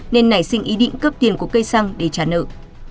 nên nảy sinh ý định cướp tiền của cây xăng để trả nợ